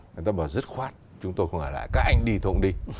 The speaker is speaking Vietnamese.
người ta bảo rất khoát chúng tôi cũng gọi là các anh đi tôi cũng đi